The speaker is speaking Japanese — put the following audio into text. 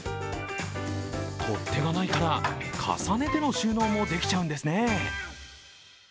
取っ手がないから、重ねての収納もできちゃうんですね。